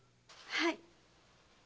はい。